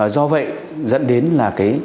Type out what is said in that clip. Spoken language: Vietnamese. do vậy dẫn đến là